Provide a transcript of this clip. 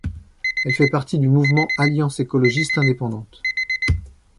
Elle fait partie du mouvement Alliance écologiste indépendante.